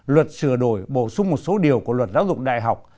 luật sửa đổi bổ sung một số điều của luật giáo dục đại học